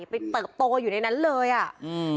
ไปเติบโตอยู่ในนั้นเลยอ่ะ